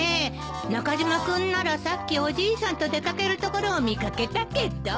中島君ならさっきおじいさんと出掛けるところを見掛けたけど。